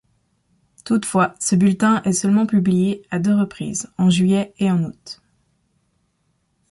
Toutefois, ce bulletin est seulement publié à deux reprises, en juillet et en aout.